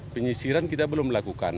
penyisiran kita belum melakukan